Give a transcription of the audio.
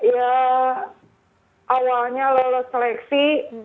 ya awalnya lolos seleksi